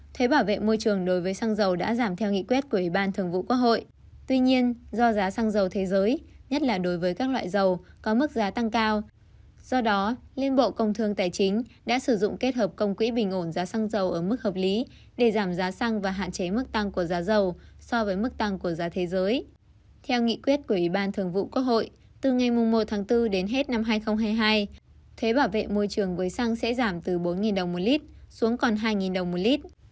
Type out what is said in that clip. theo nghị quyết của ủy ban thường vụ quốc hội từ ngày một bốn đến hết năm hai nghìn hai mươi hai thuế bảo vệ môi trường với xăng sẽ giảm từ bốn đồng một lít xuống còn hai đồng một lít